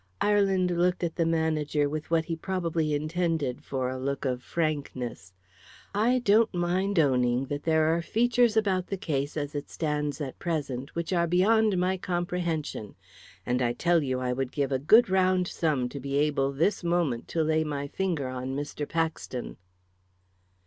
Ireland looked at the manager with what he probably intended for a look of frankness. "I don't mind owning that there are features about the case, as it stands at present, which are beyond my comprehension, and I tell you, I would give a good round sum to be able this moment to lay my finger on Mr. Paxton."